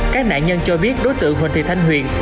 các nạn nhân cho biết đối tượng huỳnh thị thanh huyền